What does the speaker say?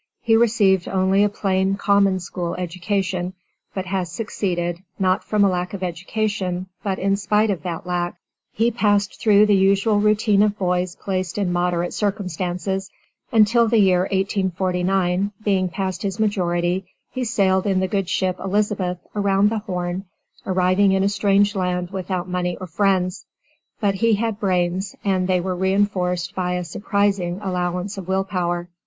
He received only a plain common school education, but has succeeded, not from a lack of education but in spite of that lack. He passed through the usual routine of boys placed in moderate circumstances, until the year 1849, being past his majority, he sailed in the good ship "Elizabeth," around the "Horn," arriving in a strange land without money or friends, but he had brains, and they were reinforced by a surprising allowance of will power.